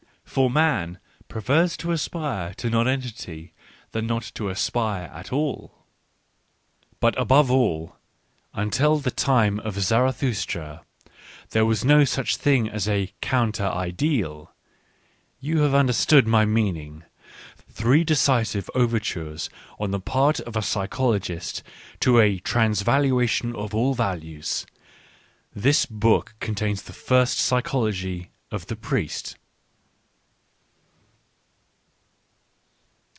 " For man prefers to aspire to nonentity than not to aspire at all." But above all, until the time of Zarathustra there was no such thing as a counte r ideal. You have understood my meaning. Three decisive overtures on the part of a psychologist to a Transvaluation of all Values. — This book contains the first psychology of the priest.